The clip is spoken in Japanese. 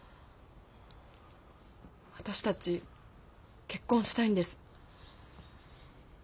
私たち結婚したいんです。